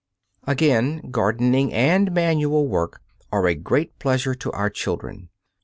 Again, gardening and manual work are a great pleasure to our children.